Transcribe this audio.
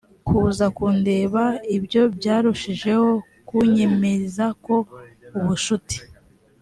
kuza kundeba ibyo byarushijeho kunyemeza ko ubucuti